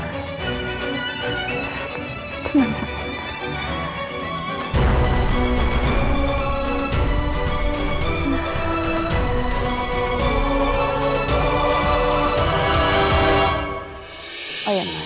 tenang elsa sebentar